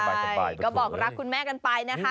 ใช่ก็บอกรักคุณแม่กันไปนะคะ